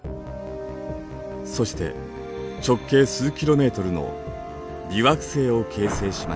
そして直径数キロメートルの微惑星を形成しました。